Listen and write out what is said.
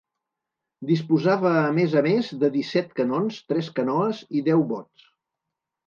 Disposava a més a més de disset canons, tres canoes i deu bots.